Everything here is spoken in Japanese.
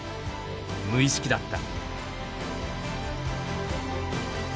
無意識だった。